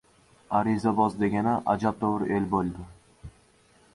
Arizaboz degani ajabtovur el bo‘ldi.